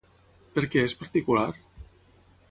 Per què és particular?